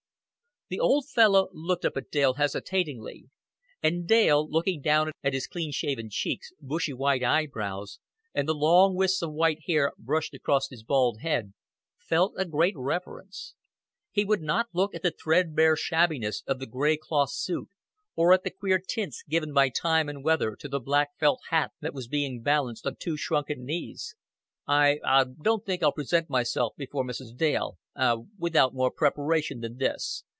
The old fellow looked up at Dale hesitatingly; and Dale, looking down at his clean shaven cheeks, bushy white eyebrows, and the long wisps of white hair brushed across his bald head, felt a great reverence. He would not look at the threadbare shabbiness of the gray cloth suit, or at the queer tints given by time and weather to the black felt hat that was being balanced on two shrunken knees. "I, ah, don't think I'll present myself before Mrs. Dale ah, without more preparation than this.